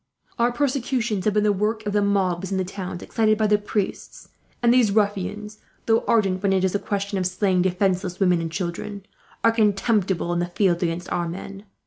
Our persecutions have been the work of the mobs in the towns, excited by the priests; and these ruffians, though ardent when it is a question of slaying defenceless women and children, are contemptible in the field against our men.